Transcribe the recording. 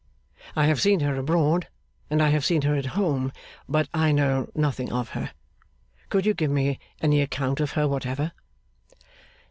I have seen her abroad, and I have seen her at home, but I know nothing of her. Could you give me any account of her whatever?